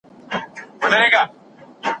هڅې او قربانۍ يې د ستاينې وړ دي.